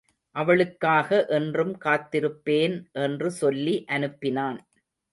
அவளுக்காக என்றும் காத்திருப்பேன் என்று சொல்லி அனுப்பினான்.